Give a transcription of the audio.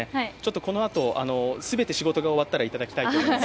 このあと、全て仕事が終わったらいただきたいと思います。